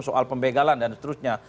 soal pembegalan dan seterusnya